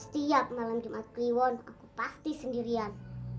setiap malam jumat kliwon aku pasti sendirian